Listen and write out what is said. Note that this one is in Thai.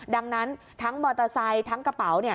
ดังนั้นทั้งมอเตอร์ไซค์ทั้งกระเป๋า